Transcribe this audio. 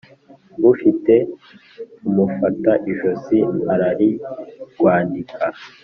Ufite umufata ijosi ararigwandika.